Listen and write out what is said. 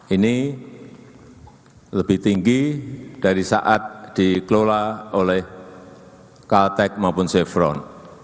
ini lebih tinggi dari saat dikelola oleh kaltek maupun chevron